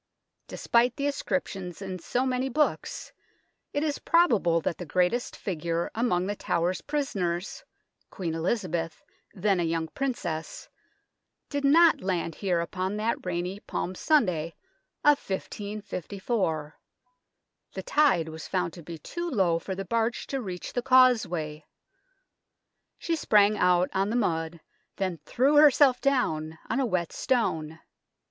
Despite the ascriptions in so many books, it is probable that the greatest figure among The Tower's prisoners, Queen Elizabeth then a young Princess did not land here upon that rainy Palm Sunday of 1554. The tide was found to be too low for the barge to reach the causeway. She sprang out on the mud, then threw herself down on a wet stone.